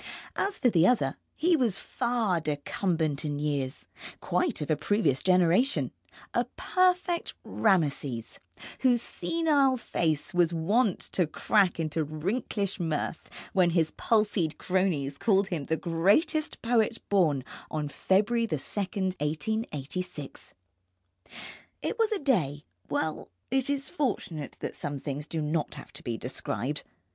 As for the other, he was far decumbent in years, quite of a previous generation, a perfect Rameses, whose senile face was wont to crack into wrinklish mirth when his palsied cronies called him the greatest poet born on February 2, 1886. It was a day well, it is fortunate that some things do not have to be described.